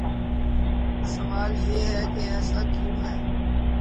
سوال یہ ہے کہ ایسا کیوں ہے؟